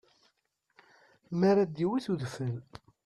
Mi ara d-iwwet udfel.